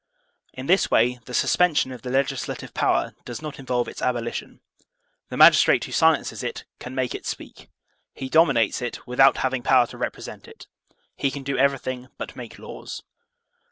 In this way the suspension of the legislative power does not involve its abolition; the magistrate who silences it can make it speak; he dominates it without having power to represent it; he can do everything but make laws.